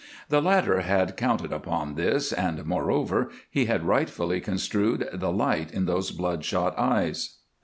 The latter had counted upon this, and, moreover, he had rightfully construed the light in those bloodshot eyes.